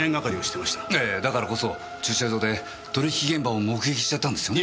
ええだからこそ駐車場で取引現場を目撃しちゃったんですよね。